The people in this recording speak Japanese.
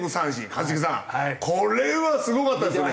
一茂さんこれはすごかったですよね。